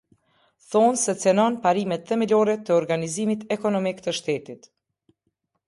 Thonë se cenon parimet themelore të organizimit ekonomik të shtetit.